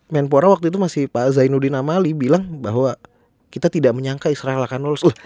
menpora waktu itu masih pak zainuddin amali bilang bahwa kita tidak menyangka israel akan lolos